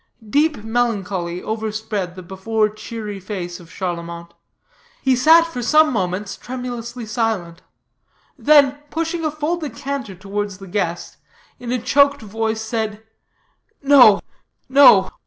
Deep melancholy overspread the before cheery face of Charlemont; he sat for some moments tremulously silent; then pushing a full decanter towards the guest, in a choked voice, said: 'No, no!